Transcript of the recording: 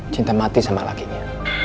cinta mati sama lakinya